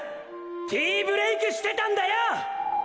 ティーブレイクしてたんだよ！！